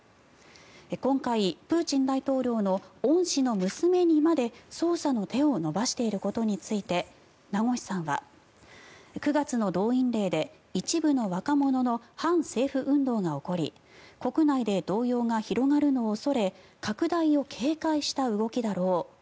今回、プーチン大統領の恩師の娘にまで捜査の手を伸ばしていることについて名越さんは９月の動員令で一部の若者の反政府運動が起こり国内で動揺が広がるのを恐れ拡大を警戒した動きだろう。